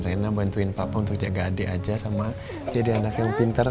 rena bantuin papa untuk jaga adik aja sama jadi anak yang pintar